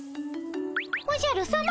おじゃるさま？